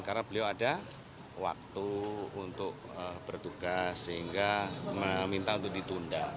karena beliau ada waktu untuk bertugas sehingga meminta untuk ditunda